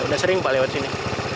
udah sering pak lewat sini